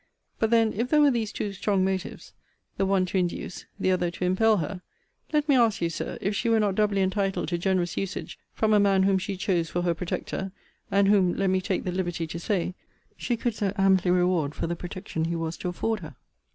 But then, if there were these two strong motives, the one to induce, the other to impel, her, let me ask you, Sir, if she were not doubly entitled to generous usage from a man whom she chose for her protector; and whom, let me take the liberty to say, she could so amply reward for the protection he was to afford her?